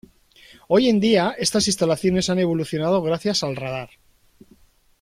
Hoy en día, estas instalaciones han evolucionado gracias al radar.